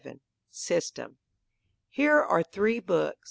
"_ SYSTEM Here are three books.